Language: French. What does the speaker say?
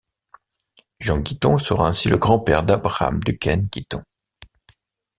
Jean Guiton sera ainsi le grand-père d'Abraham Duquesne-Guitton.